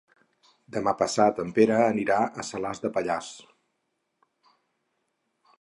Demà passat en Pere anirà a Salàs de Pallars.